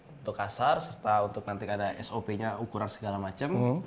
untuk kasar serta untuk nanti ada sop nya ukuran segala macam